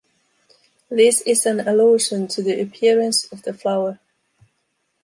This is an allusion to the appearance of the flower.